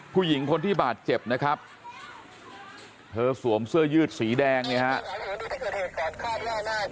ผู้หญิงคนที่บาดเจ็บนะครับเธอสวมเสื้อยืดสีแดงเนี่ยฮะ